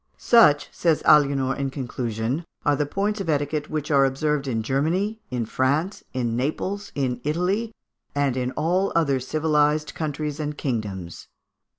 "Such," says Aliénor, in conclusion, "are the points of etiquette which are observed in Germany, in France, in Naples, in Italy, and in all other civilised countries and kingdoms."